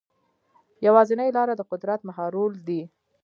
یوازینۍ لاره د قدرت مهارول دي.